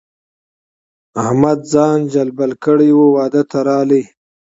احمد ځان جلبل کړی وو؛ واده ته راغی.